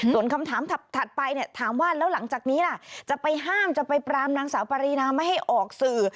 ส่วนคำถามถัดไปเนี่ยถามว่าแล้วหลังจากนี้ล่ะจะไปห้ามจะไปปรามนางสาวปรีนาไม่ให้ออกสื่อ